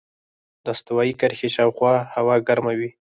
د استوایي کرښې شاوخوا هوا ګرمه وي.